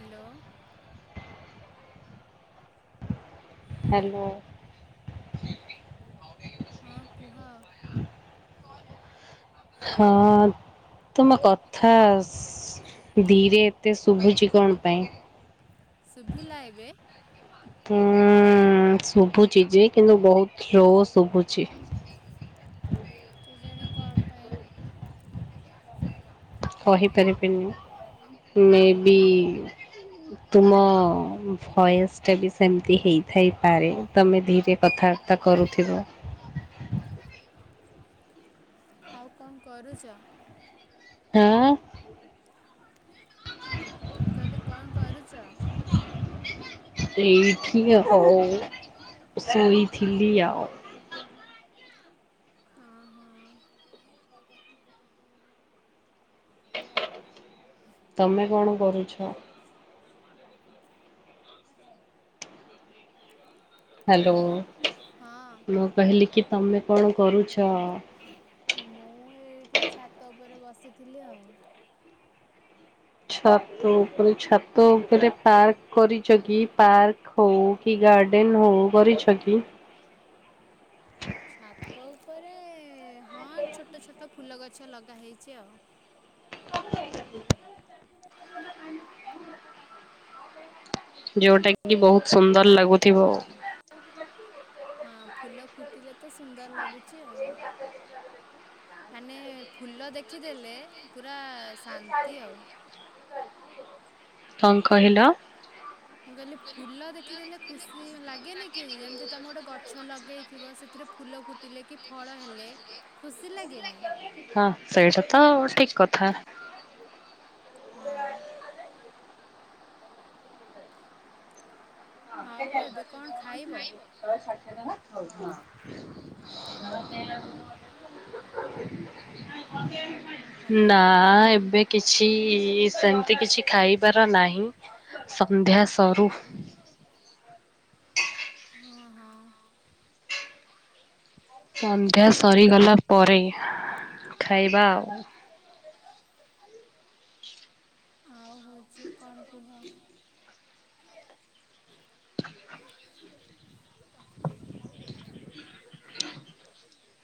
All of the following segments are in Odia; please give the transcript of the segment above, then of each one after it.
ହ୍ୟାଲୋ। ହ୍ୟାଲୋ। ହଁ କୁହ। ହଁ ତମ କଥା ସ ଧୀରେ ତେ ଶୁଭୁଛି କଣ ପାଇଁ? ଶୁଭିଲା ଏବେ ଉଁ ଶୁଭୁଛି ଯେ କିନ୍ତୁ ବହୁତ ସ୍ଲୋ ଶୁଭୁ କେ ଜାଣେ କଣ ପାଇଁ? କହିପାରିବିନି ମେ ହଁ ବି ତୁମ ଭଏସ୍ଟା ବି ସେମିତି ହେଇଥାଇପାରେ ତମେ ଧୀରେ କଥା ତା କରୁଥିବ। ଆଉ କଣ କରୁଛ? ନା। ମୁଁ କହିଲି କଣ କରୁଛ? ଏଇଠି ହଉ ଶୋଇଥିଲି ଆଉ। ହଁ ହଁ। ତମେ କଣ କରୁଛ? ହ୍ୟାଲୋ ହଁ ମୁଁ କହିଲି କି ତମେ କଣ କରୁଛ? ମୁଁ ଏଇଠି ଛାତ ଉପରେ ବସିଥିଲି ଆଉ। ଛାତ ଉପରେ ଛାତ ଉପରେ ପାର୍କ କରିଛ କି ପାର୍କ? ହଉ କି ଗାର୍ଡେନ ହଉ କରିଛ କି? ଛାତକ ଉପ ରେ ହଁ ଛୋଟ ଛୋଟ ଫୁଲ ଗଛ ଲଗା ହେଇଛି ଆଉ। ଯୋଉଟା କି ବହୁତ ସୁନ୍ଦର ଲାଗୁଥିବ। ହଁ ଫୁଲ ଫୁଟିଲେ ତ ସୁନ୍ଦର ଲାଗୁଛି ଆଉ। ମାନେ ଫୁଲ ଦେଖିଦେଲେ ପୁରା ଶାନ୍ତି ଆଉ। କଣ କହିଲ? ମୁଁ କହିଲି ଫୁଲ ଦେଖିଦେଲେ ଖୁସି ଲାଗେନି କି ଯେମିତି ତମେ ଗୋଟେ ଗଛ ଲଗେଇଥିବ ସେ ସେଥିରେ ଫୁଲ ଫୁଟିଲେ କି ଫଳ ହେଲେ ଖୁସି ଲାଗେନି। ହଁ ସେଇଟା ତ ଠିକ କଥା। ହଁ। ଆଉ ଏବେ କଣ ଖାଇବ? [unintelligible] ହ୍ୟାଲୋ ନା ଏବେ କିଛି ସେମିତି କିଛି ଖାଇବାର ନାହିଁ। ସନ୍ଧ୍ୟା ସରୁ। ହଁ ହଁ। ସନ୍ଧ୍ୟା ସରିଗଲା ପରେ ଖାଇବା ଆଉ। ଆଉ ହଉଛି କଣ କୁହ? [unintelligible]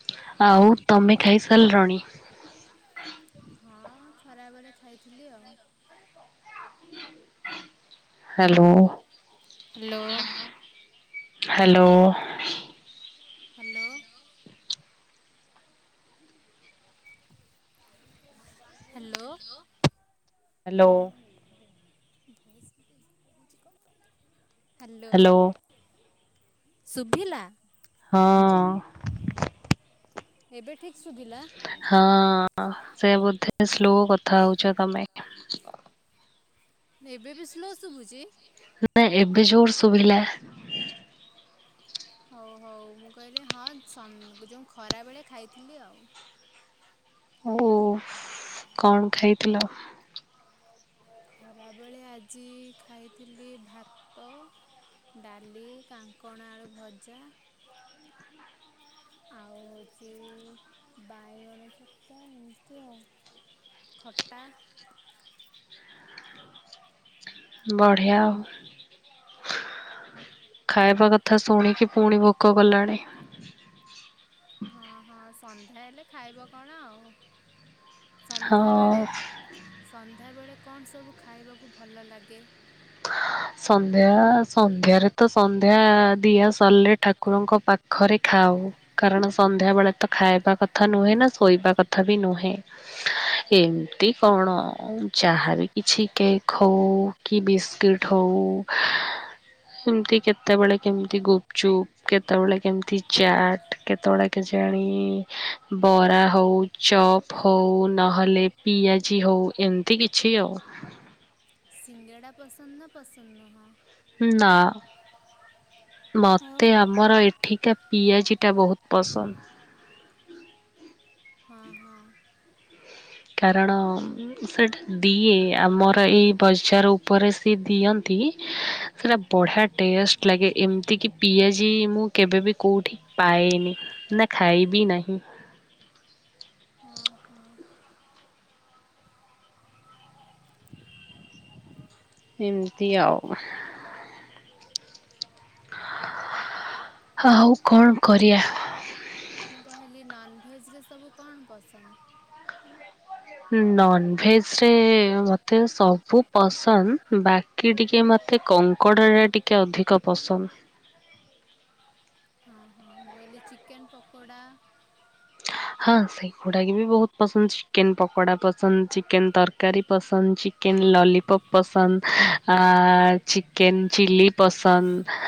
ଆଉ ତମେ ଖାଇ ସାରିଲଣି? ହଁ ଖରାବେଳେ ଖାଇଥିଲି ଆଉ। Hello, hello hello. Hello. Hello. Hello. [unintelligible] Hello ସୁୁଭିଲା। ହଁ। ଏବେ ଠିକ୍ ଶୁବିଲା। ହଁ ସେ ବୋଧେ ସ୍ଲୋ କଥା ହଉଛ ତମେ। ଏବେ ବି ସ୍ଲୋ ଶୁଭୁଛି? ନା ଏବେ ଜୋର ସୁୁଭିଲା। ହଉ ହଉ ମୁଁ କହିଲି ହଁ ଯେଉ ଖରାବେେଳେ ଖାଇଥିଲି ଆଉ। ଓ କଣ ଖାଇଥିଲ? ଖରାବେଳେ ଆଜି ଖାଇଥିଲି ଭାତ ଡାଲି, କାଙ୍କଣ ଆଳୁ ଭଜା ଆଉ ହଉଚି ବାଇଗଣ ଚକଟା ଏମିତି ଆଉ। ଖଟା। ବଢିଆ ଆଉ। ଖାଇବା କଥା ଶୁଣିକି ପୁଣି ଭୋକ କଲାଣି। ହଁ ହଁ ସନ୍ଧ୍ୟା ହେଲେ ଖାଇବ କଣ ଆଉ ହଁ ସନ୍ଧ୍ୟାବେଳେ ସନ୍ଧ୍ୟାବେଳେ କଣ ସବୁ ଖାଇବାକୁ ଭଲ ଲାଗେ? ସନ୍ଧ୍ୟା ସନ୍ଧ୍ୟାରେ ତ ସନ୍ଧ୍ୟା ଦିଆ ସରିଲେ ଠାକୁ ଠାକୁରଙ୍କ ପାଖରେ ଖାଉ। କାରଣ ସନ୍ଧ୍ୟା ବେଳେ ତ ଖାଇବା କଥା ନୁହେଁ ନା ଶୋଇବା କଥା ବି ନୁହେଁ। ଏମତି କଣ ଯାହାବି କିଛି କେକ୍ ହଉ କି ବିସ୍କିଟ୍ ହଉ। ଏମିତି କେତେବେଳେ କେମିତି ଗୁପଚୁପ୍ କେତେବେଳେ କେମିତି ଚାଟ୍ କେତେବେଳେ କେଜାଣି ବରା ହୋଉ ଚପ୍ ହୋଉ ନହେଲେ ପିଆଜି ହୋଉ ଏମିତି କିଛି ଆଉ। ସିଙ୍ଗେଡ଼ା ପସନ୍ଦ ନା ପସନ୍ଦ ନୁହଁ। ନା ଆଉ ମତେ ଆମର ଏ ଠିକା ପିଆଜିଟା ବୋହୁତ ପସନ୍ଦ। ହଁ ହଁ। କାରଣ। ସେଇଟା ଦିଏ ଆମର ଏଇ ବଜାର ଉପରେ ସିଏ ଦିଅନ୍ତି। ସେଟା ବଢିଆ ଟେଷ୍ଟ ଲାଗେ ଏମିତି କିି ପିଆଜି ମୁଁ କେବେବି କୋଉଠି ପାଏନି। ନା ଖାଇବି ନାହିଁ। ହଁ ହଁ। ଏମିତି ଆଉ। ଆଉ କଣ କରିବା। ମୁଁ କହିଲି ନନଭେଜ ରେ ସବୁ କଣ ପସନ୍ଦ? ନନଭେଜ ରେ ମତେ ସବୁ ପସନ୍ ବାକ୍ କିି ଟିକିଏ ମତେ କଙ୍କଡ଼ା ଟା ଟିକିଏ ଅଧିକ ପସନ୍। ହଁ ହଁ। ମୁଁ କହିଲି ଚିକେନ ପକୋଡ଼ା। ହଁ ସେଇ ଗୁଡ଼ାକି ବି ବୋହୁତ ପସନ୍ଦ ଚିକେନ ପକଡ଼ା ପସନ୍ଦ ଚିକେନ ତରକାରୀ ପସନ୍ଦ ଚ ଚିକେନ ଲଲିପପ୍ ପସନ୍ଦ ଆ ଚିକେନ ଚିଲି ପସନ୍ଦ।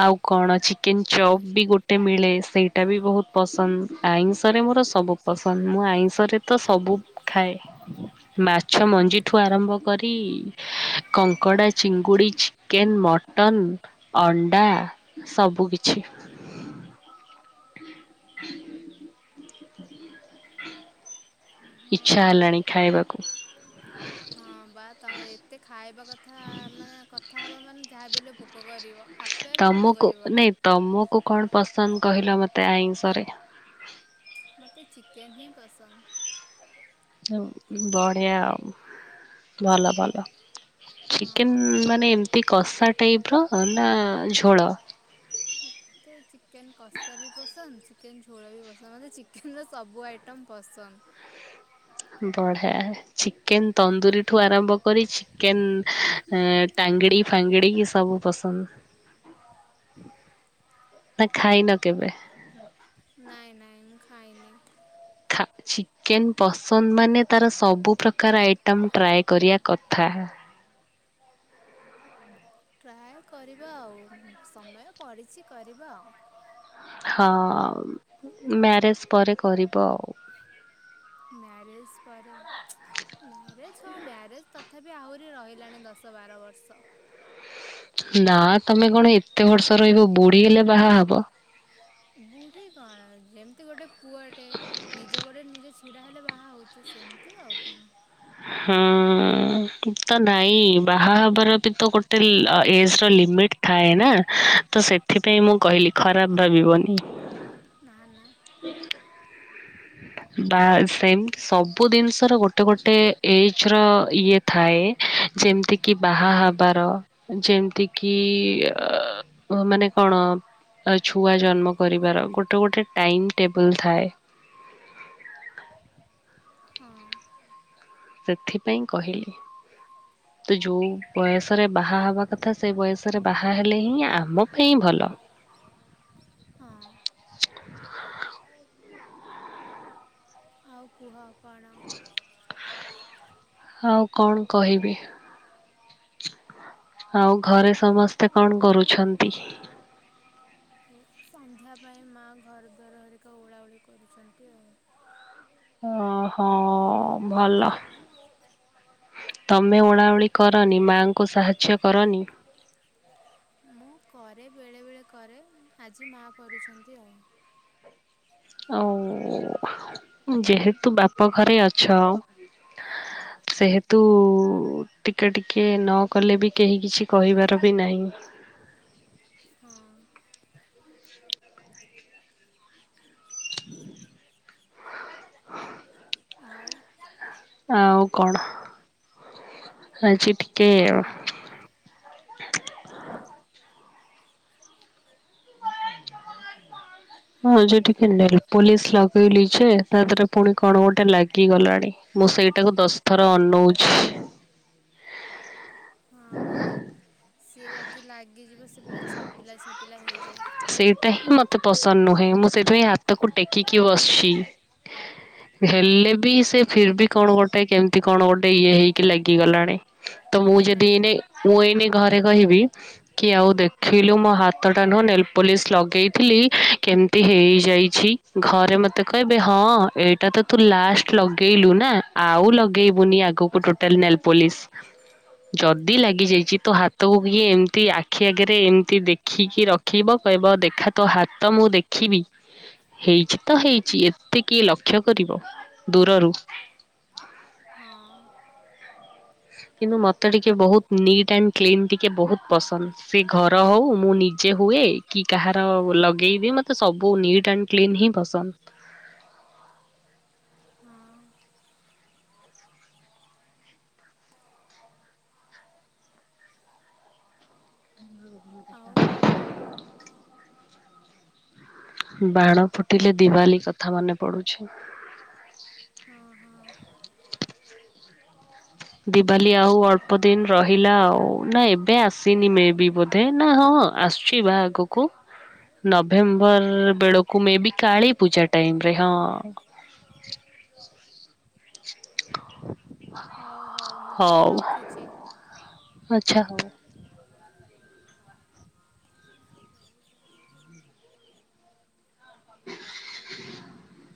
ଆଉ କଣ ଚିକେନ ଚପ୍ ବି ଗୋଟେ ମିଳେ ସେଇଟା ବି ବୋହୁତ ପସନ୍ଦ ଆଇଷ ଷରେ ମୋର ସବୁ ପସନ୍ଦ ମୁଁ ଆଇଁଷରେ ତ ସବୁ ଖାଏ। ମାଛ ମଞ୍ଜିଠୁ ଆରମ୍ଭ କରି କଙ୍କଡ଼ା ଚିଙ୍ଗୁଡ଼ି ଚି କେନ୍ ମଟନ ଅଣ୍ଡା ସବୁ କିିଛି। [inaudible] ହଁ ଇଚ୍ଛା ହଁ। ହେଲାଣି ଖାଇବାକୁ। ହଁ ବା ତମେ ଏତେ ଖାଇବା କଥା ମାନେ କଥା ହବ ମାନେ ଯାହା ହେଲେ ଭୋକୋ କରିବ। ଆପେ ଆପେ ଭୋକୋ କରିବ। ତମୁକୁ କଣ ପସନ୍ଦ କହିଲ ମତେ ଆଇଁଷରେ? ମତେ ଚିକେନ ହିଁ ପସନ୍ଦ। ବଢିଆ ଆଉ ଭଲ ଭଲ। ହଁ। ଚିକେନ ମାନେ ଏମିତି କଷା ଟାଇପ ର ନା ଝୋଳ? ମତେ ଚିକେନ କଷା ବି ପସନ୍ଦ ଚିକେନ୍ ଝୋଳ ବି ପସନ୍ଦ ମୋତେ ଚିକେନର ସବୁ ଆଇଟମ୍ ପସନ୍ଦ। ବଢିଆ ଚିକେନ ତନ୍ଦୁୁରୀ ଠୁ ଆରମ୍ଭ କରି ଚିକେନ ଏଁ ଟାଙ୍ଗଡି ଫାଙ୍ଗଡିିକ ସବୁ ପସନ୍ଦ। ନା ଖାଇନ କେବେ? ନାଇଁ ନାଇଁ ମୁଁ ଖାଇନି। ଖା ଚିକେନ୍ ପସନ୍ଦ ମାନେ ତର ସବୁ ପ୍ରକାର ଆଇଟମ୍ ଟ୍ରାଏ କରିବା କଥା। ଟ୍ରାଏ କରିବା ଆଉ ସମୟ ପଡ଼ିଛି କରିବା ଆଉ। ହଁ ମ୍ୟାରେଜ ପରେ କରିବ ଆଉ। ମ୍ୟାରେଜ ପରେ ମ୍ୟାରେଜ ହଁ ମ୍ୟାରେଜ ତଥାବି ଆହୁରି ରହିଲାଣି ଦଶ ବାର ବର୍ଷ। ନା ତମେ କଣ ଏତେ ବର୍ଷ ରହିବ ବୁଢୀ ହେଲେ ବାହା ହବ? ବୁଢ଼ି କଣ ଯେମିତି ଗୋଟେ ପୁଅଟେ ନିଜ ଗୋଡ ରେ ନିଜେ ଛିଡ଼ା ହେଲେ ବାହା ହୋଉଚି ସେମିତି ଆଉ କଣ। ହୁଁ ତ ନାଇଁ ବାହା ହବାର ବି ତ ଗୋଟେ ଲ ଏଜ୍ ର ଲିମିଟ ଥାଏ ନା ତ ସେଥିପାଇଁ ମୁଁ କହିଲି ଖରାପ ଭାବିବନି। ନାଁ ନାଁ। [inaudible] ବା ସେମତି ସବୁ ଜିନିଷ ର ଗୋଟେ ଗୋଟେ ଏଜ ର ଇଏ ଥାଏ ଯେମିତି କିି ବାହା ହବାର। ଯେମିତି କିି ଅ ମାନେ କଣ ଛୁଆ ଜନ୍ମ କରିବାର ଗୋଟେ ଗୋଟେ ଟାଇମ ଟେବଲ ଥାଏ। ହଁ। ସେଥିପାଇଁ କହିଲି। ତ ଯୋଉ ବୟସରେ ବାହା ହବା କଥା ସେ ବୟସରେ ବାହା ହେଲେ ହିଁ ଆମ ହିଁ ଭଲ। ହଁ। ଆଉ କୁହ କଣ। ଆଉ କଣ କହିବି। ଆଉ ଘରେ ସମସ୍ତେ କଣ କରୁଛନ୍ତି? ସନ୍ଧ୍ୟା ପାଇଁ ମାଆ ଘର ଦ୍ୱାରହରିକା ଓଳାଓଳି କରୁଛନ୍ତି ଆଉ। ଓହୋ ଭଲ। ତମେ ଓଳା ଓଳି କରନି ମାଙ୍କୁ ସାହାଯ୍ୟ କରନି? ମୁଁ କରେ ବେଳେ ବେଳେ କରେ ଆଜି ମା କରୁଛନ୍ତି ଆଉ। ଆଉ ଯେହେତୁ ବାପ ଘରେ ଅଛ ହ ସେହେତୁ ଟିକେ ଟିକେ ନ କଲେ ବି କେହି କିଛି କହିବାର ବି ନାହିଁ। ହଁ। ଆଉ ଆଉ କଣ ଆଜି ଟିକେ ହଁ ଯ ଟିକେ ନେଲ ପୋଲିସ ଲଗେଇଲିଛେ ତା ଦେହରେ ପୁଣି କଣ ଗୋଟେ ଲାଗିଗଲାଣି। ମୁଁ ସେଇଟାକୁ ଦଶ ଥର ଅନଉଛି। ହଁ ହଁ। ସିଏ ଯଦି ଲାଗିଯିବ ସେ ପୁରା ଛାପିଲା ଛାପିଲା ହେଇଯାଏ। ତେ ପସନ୍ଦ ନୁହେଁ ମୁଁ ସେଥିପାଇଁ ହାତକୁ ଟେକିକି ବସିଛି। ହେଲେ ହଁ। ବି ସେ ଫିର ବି କଣ ଗୋଟେ କେମତି କଣ ଗୋଟେ ଇଏ ହେଇକି ଲାଗିଗଲାଣି। ତ ମୁଁ ନାଇଁ ଯଦି ନାଇଁ ଏନ ମୁଁ ଏଇନେଇ ଘରେ କହିବି କି ଆଉ ଦେଖିଲୁ ମୋ ହାତଟା ନୁହଁ ନେଲ ପଲିସ୍ ଲଗାଇଥିଲି କେମିତି ହେଇଯାଇଛି। ଘରେ ମତେ କହିବେ ହଁ ଏଇଟା ତ ତୁ ଲାଷ୍ଟ ଲଗେଇଲୁ ନା ଆଉ ଲଗେଇବୁନି ଆଗକୁ। ଟୋଟାଲ ନଲେ ପୋଲିସ ଯଦି ଲାଗି ଯାଇଛି ତ ହାତକୁ କି ଏମତି ଆଖି ଆଗରେ ଏମିତି ଦେଖିକି ରଖିବ କହିବ ଦେଖା ତ ହାତ ମୁଁ ଦେଖିବି। ହେଇଛି ତ ହେଇଛି ଏତିକି ଲକ୍ଷ୍ୟ କରିବ ଦୂରରୁ ହଁ କିନ୍ତୁ ମତେ ଟିକେ ବହୁତ ନିଟ୍ ଆଣ୍ଡ କ୍ଲିନ ଟିକେ ବହୁତ ପସନ୍ଦ ସେ ଘର ହଉ ମୁଁ ନି ହୁଏ କି କାହାର ଲଗେଇବି ମତେ ସବୁ ନିଟ୍ ଆ କ୍ଲି ହିଁ ପସନ୍ଦ ହଁ ଆଉ ବାଣ ଫୁଟିଲେ ଦିିବାଲି କଥା ମନେ ପଡୁଛି ହଁ ହଁ ଦିିବାଲି ଆଉ ଅଳ୍ପ ଦିନ ରହିଲା ଆଉ ନା ଏବେ ଆସିନି ମ ବି ବ ଦେ ନା ହଁ ଆସୁଛି ବାହାଗକୁ ହଁ। ନଭେମ୍ବର ବେଳକୁ ମେ ବି କାଳୀ ପୂଜା ଟାଇମରେ ହଁ କଥିଲଥିଲା ହ ହଉ ହଉ ମୁଁ ତାହେଲେ ରଖୁଛି। ଆଚଛା ହଉ ହ